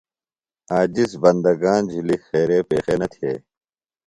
عاجز بندگان جُھلیۡ خیرے پیخے نہ تھےۡ۔